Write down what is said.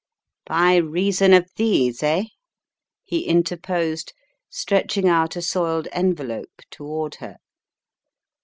"By reason of these, eh?" he interposed, stretch ing out a soiled envelope toward her.